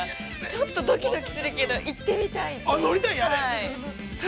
ちょっとドキドキするけど、行ってみたい。